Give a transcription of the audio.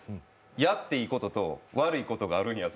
やっていいことと悪いことがあるんやぞ。